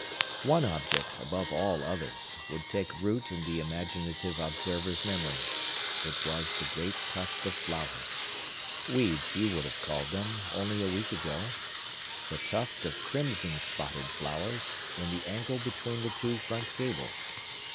One object, above all others, would take root in the imaginative observer's memory. It was the great tuft of flowers,—weeds, you would have called them, only a week ago,—the tuft of crimson spotted flowers, in the angle between the two front gables.